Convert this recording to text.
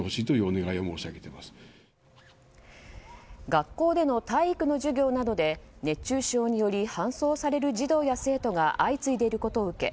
学校での体育の授業などで熱中症により搬送される児童や生徒が相次いでいることを受け